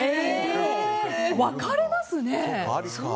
分かれますね。